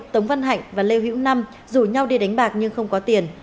tống văn hạnh và lê hữu năm rủ nhau đi đánh bạc nhưng không có tiền